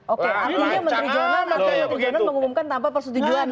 oke artinya menteri jalan mengumumkan tanpa persetujuan presiden